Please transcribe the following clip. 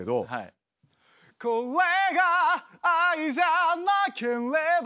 「これが愛じゃなければ」